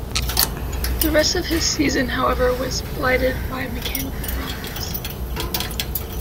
The rest of his season, however, was blighted by mechanical problems.